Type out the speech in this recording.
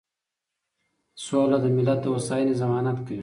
سوله د ملت د هوساینې ضمانت کوي.